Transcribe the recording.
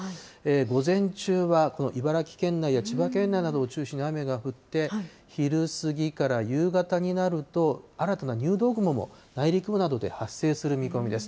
午前中はこの茨城県内や千葉県内などを中心に雨が降って、昼過ぎから夕方になると、新たな入道雲も、内陸部などで発生する見込みです。